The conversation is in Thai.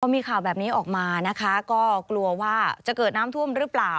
มีข่าวแบบนี้ออกมานะคะก็กลัวว่าจะเกิดน้ำท่วมหรือเปล่า